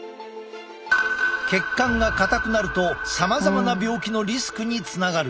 血管が硬くなるとさまざまな病気のリスクにつながる。